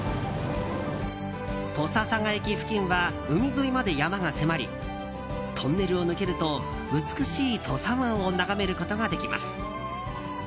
土佐佐賀駅付近は海沿いまで山が迫りトンネルを抜けると美しい土佐湾を眺めることができます。